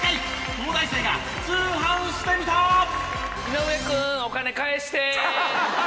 井上君お金返して！